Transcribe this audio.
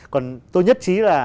còn tôi nhất trí là